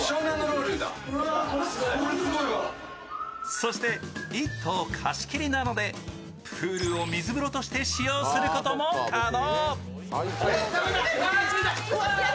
そして、１棟貸し切りなのでプールを水風呂として使用可能。